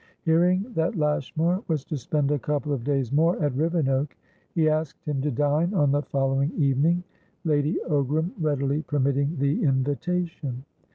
Hearing that Lashmar was to spend a couple of days more at Rivenoak, he asked him to dine on the following evening, Lady Ogram readily permitting the invitation.